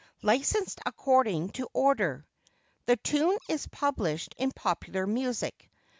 Licensed according to order. The tune is published in Popular Music.